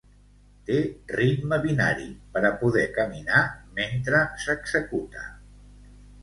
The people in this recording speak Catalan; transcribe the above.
Té ritme binari, per a poder caminar mentre s'executa.